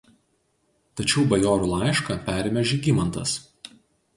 Tačiau bajorų laišką perėmė Žygimantas.